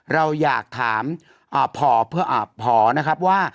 เราอยากถามอ่าพอเพื่ออ่าพอนะครับว่า